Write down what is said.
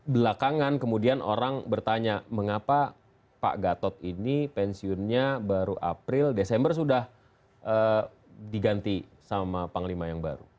belakangan kemudian orang bertanya mengapa pak gatot ini pensiunnya baru april desember sudah diganti sama panglima yang baru